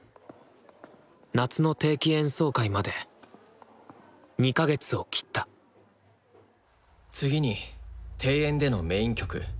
夏の定期演奏会まで２か月を切った次に定演でのメイン曲